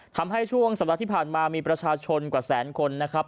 ช่วงสัปดาห์ที่ผ่านมามีประชาชนกว่าแสนคนนะครับ